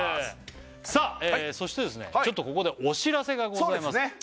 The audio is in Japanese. そしてちょっとここでお知らせがございます